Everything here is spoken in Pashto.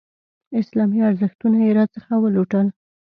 اسلامي ارزښتونه یې راڅخه ولوټل.